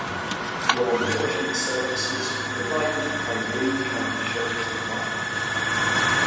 Law enforcement services are provided by the Dane County Sheriff's Department.